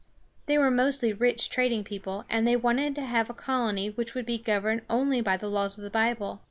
They were mostly rich trading people, and they wanted to have a colony which would be governed only by the laws of the Bible.